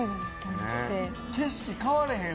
景色変われへん